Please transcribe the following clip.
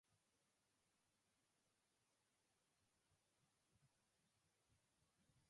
We become more open-minded, tolerant, and appreciative of diversity.